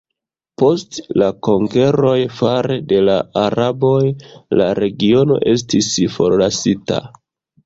Post la konkeroj fare de la araboj la regiono estis forlasita.